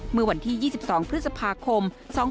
เมื่อวันที่๒๒พฤษภาคม๒๕๖๒